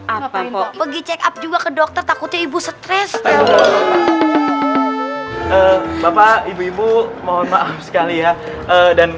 apa kok pergi check up juga ke dokter takutnya ibu stres bapak ibu ibu mohon maaf sekali ya dan